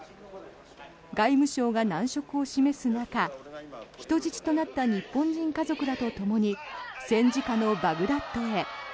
外務省が難色を示す中人質となった日本人家族らとともに戦時下のバグダッドへ。